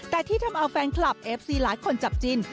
แต่ที่ทำเอาแฟนคลับเอฟซีหลายคนจับจิน